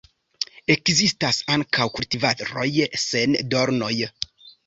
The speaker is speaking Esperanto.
Ekzistas ankaŭ kultivaroj sen dornoj.